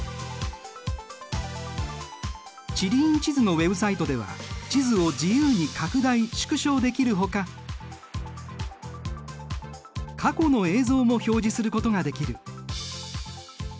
地理院地図のウェブサイトでは地図を自由に拡大縮小できるほか過去の映像も表示することができる。